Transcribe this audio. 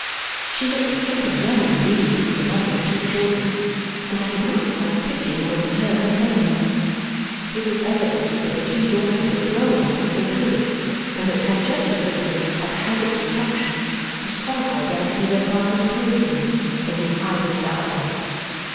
She looked very young indeed to be the mother of two children, and I could not help pitying both her and them. It was evident that the three daughters had grown up as they could and had had just as little haphazard instruction as qualified them to be their father's playthings in his idlest hours.